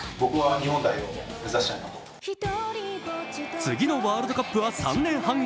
次のワールドカップは３年半後。